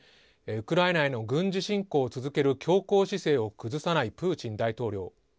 ウクライナへの軍事侵攻を続ける強硬姿勢を崩さないプーチン大統領。